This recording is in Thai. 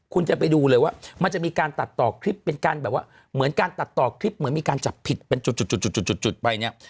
คุณจะไปดูเลยว่ามันจะมีการตัดต่อคลิปเป็นการแบบว่าเหมือนการตัดต่อคลิปเหมือนมีการจับผิดเป็นจุดไปเนี่ย